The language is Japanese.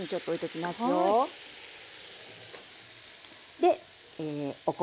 でお米。